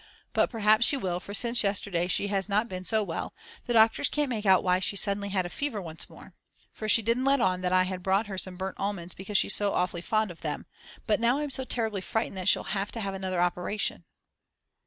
But perhaps she will for since yesterday she has not been so well, the doctors can't make out why she suddenly had fever once more. For she didn't let on that I had brought her some burnt almonds because she's so awfully fond of them. But now I'm so terribly frightened that she'll have to have another operation.